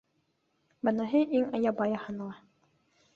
Быныһы иң ябайы һанала.